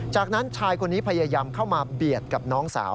จากนั้นชายคนนี้พยายามเข้ามาเบียดกับน้องสาว